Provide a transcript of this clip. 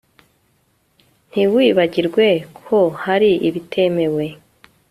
Ntiwibagirwe ko hari ibitemewe